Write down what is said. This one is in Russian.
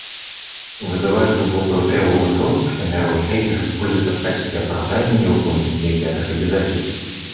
Вызывает глубокую тревогу то, что мировой кризис используется в качестве оправдания невыполнения взятых обязательств.